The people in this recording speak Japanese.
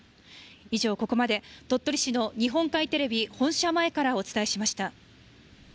以上、ここまで鳥取市の日本海テレビ本社前からお伝えしました。